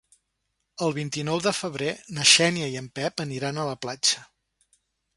El vint-i-nou de febrer na Xènia i en Pep aniran a la platja.